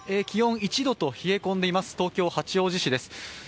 気温、１度と冷え込んでいます、東京・八王子市です。